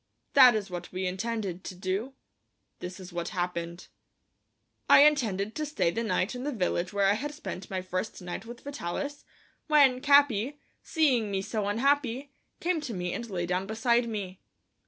That is what we intended to do; this is what happened: I intended to stay the night in the village where I had spent my first night with Vitalis, when Capi, seeing me so unhappy, came to me and lay down beside me.